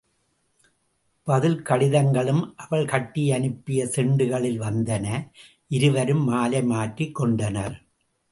பதில் கடிதங்களும் அவள் கட்டி அனுப்பிய செண்டுகளில் வந்தன இருவரும் மாலை மாற்றிக் கொண்டனர்.